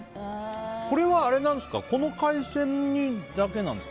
これはこの海鮮だけなんですか？